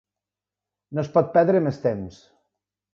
No es pot perdre més temps.